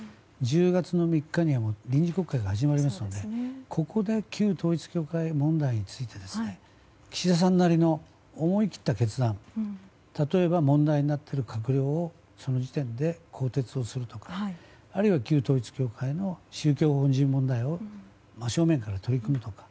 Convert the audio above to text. １０月３日には臨時国会が始まりますのでここで旧統一教会問題について岸田さんなりの思い切った決断例えば、問題になっている閣僚をその時点で更迭をするとかあるいは旧統一教会の宗教法人問題を真正面から取り組むとか。